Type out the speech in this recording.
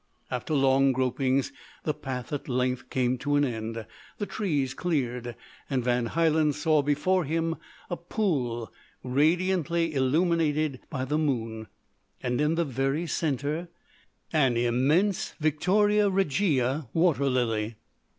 After long gropings the path at length came to an end, the trees cleared, and Van Hielen saw before him a pool, radiantly illuminated by the moon, and in the very centre an immense Victoria Regia water lily.